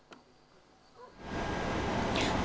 cục hàng không việt nam